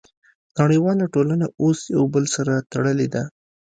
نړیواله ټولنه اوس یو بل سره تړلې ده